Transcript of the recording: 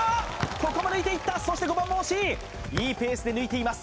ここも抜いていったそして５番も惜しいいいペースで抜いています